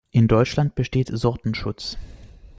In Deutschland besteht Sortenschutz.